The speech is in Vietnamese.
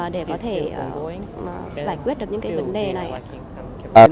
để có thể giải quyết được những cái vấn đề này